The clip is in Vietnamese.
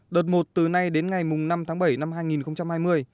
đợt một từ nay đến ngày năm tháng bảy năm hai nghìn hai mươi